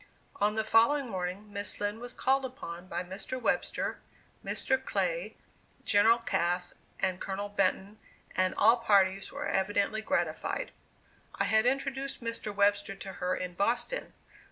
On the following morning, Miss Lind was called upon by Mr. Webster, Mr. Clay, General Cass, and Colonel Benton, and all parties were evidently gratified. I had introduced Mr. Webster to her in Boston.